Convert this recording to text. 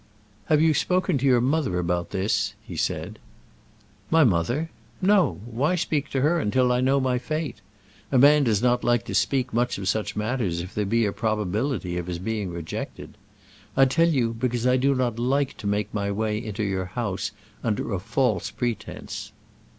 "Have you spoken to your mother about this?" he said. "My mother? no; why speak to her till I know my fate? A man does not like to speak much of such matters if there be a probability of his being rejected. I tell you because I do not like to make my way into your house under a false pretence."